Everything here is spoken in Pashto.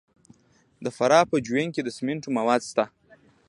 د فراه په جوین کې د سمنټو مواد شته.